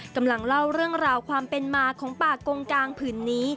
กำลังเล่าเรื่องราวความเป็นมาของป่ากงกลางผืนนี้